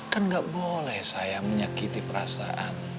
kan gak boleh saya menyakiti perasaan